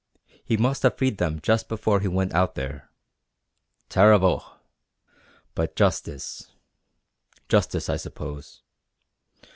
He must have freed them just before he went out there. Terrible! But justice justice, I suppose.